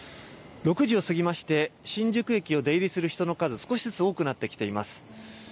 ６時を過ぎまして、新宿駅を出入りする人の数、少しずつ多くなってきています。